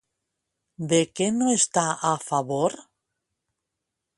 De què no està a favor?